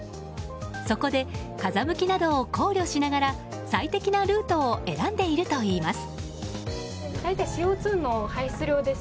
そこで風向きなどを考慮しながら最適なルートを選んでいるといいます。